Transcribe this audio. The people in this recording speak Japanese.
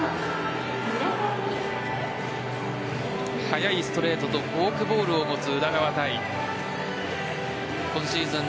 速いストレートとフォークボールを持つ宇田川対今シーズン